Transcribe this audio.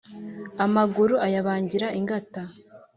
Amaguru ayabangira ingata